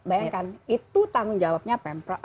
bayangkan itu tanggung jawabnya pemerintah pusat